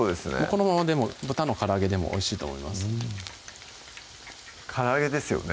このままでも豚のから揚げでもおいしいと思いますから揚げですよね